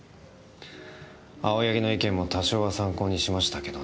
青柳の意見も多少は参考にしましたけどね。